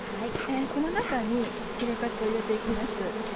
この中にヒレカツを入れて行きます。